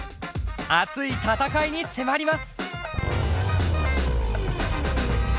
熱い戦いに迫ります。